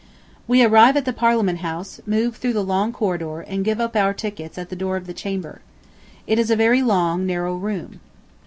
We arrive at the Parliament House, move through the long corridor and give up our tickets at the door of the chamber. It is a very long, narrow room.